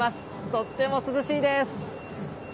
とっても涼しいです！